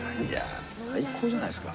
最高じゃないですか。